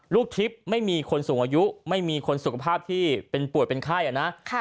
ทริปไม่มีคนสูงอายุไม่มีคนสุขภาพที่เป็นป่วยเป็นไข้นะ